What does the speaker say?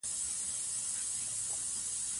خصوصي سکتور د اقتصاد بازو دی.